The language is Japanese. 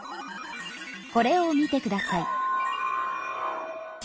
これを見てください。